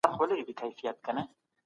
موږ په ټولنه کې ډېر پوه کسان لرو.